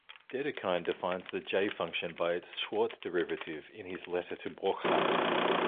Dedekind defines the "j"-function by its Schwarz derivative in his letter to Borchardt.